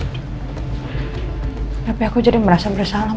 tapi aku jadi merasa bersalah